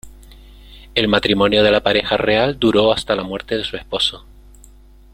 El matrimonio de la pareja real duró hasta la muerte de su esposo.